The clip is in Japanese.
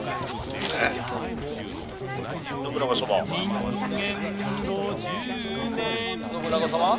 「人間五十年」「信長様？」。